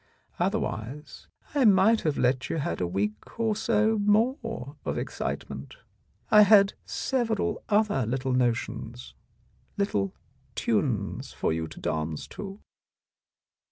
Otherwise I might have let you have a week or so more of excitement. I had several other little notions, little tunes for you to dance to."